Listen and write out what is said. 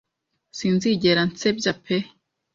Sinzigera nsebya pe